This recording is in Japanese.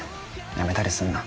辞めたりすんな。